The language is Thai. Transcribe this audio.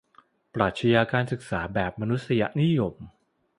ปรัชญาการศึกษาแบบมนุษยนิยม